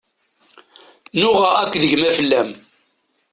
Nuɣeɣ akked gma fell-am.